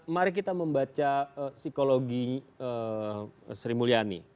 mari kita membaca psikologi sri mulyani